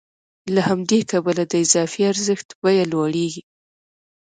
له همدې کبله د اضافي ارزښت بیه لوړېږي